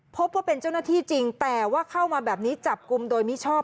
พบว่าเป็นเจ้าหน้าที่จริงแต่ว่าเข้ามาแบบนี้จับกลุ่มโดยมิชอบ